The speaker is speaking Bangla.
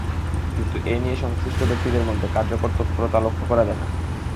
কিন্তু এ নিয়ে সংশ্লিষ্ট ব্যক্তিদের মধ্যে কার্যকর তৎপরতা লক্ষ করা যাচ্ছে না।